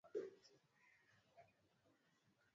Baada ya kukumbwa na vita na mauaji ya kimbari